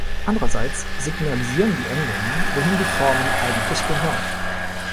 Andererseits signalisieren die Endungen, wohin die Formen eigentlich gehören.